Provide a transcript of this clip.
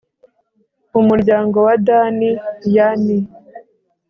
mu muryango wa Dani y ni